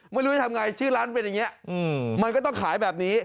ไม่รู้จะทำไงชื่อร้านเป็นอย่างนี้มันก็ต้องขายแบบนี้